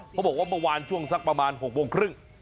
เขาบอกว่าเมื่อวานช่วงสักประมาณ๖โมงครึ่ง